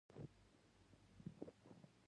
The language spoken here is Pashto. نرمي به رانیسم.